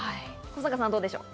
古坂さん、どうでしょう？